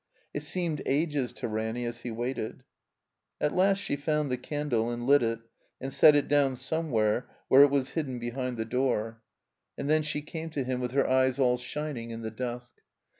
It seemed ages to Ranny as he waited. At last she found the candle and lit it and set it down somewhere where it was hidden behind the door. "3 THE COMBINED MAZE And then she came to him with her eyes all shin ing in the dusk.